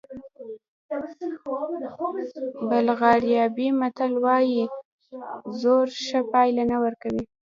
بلغاریایي متل وایي زور ښه پایله نه ورکوي.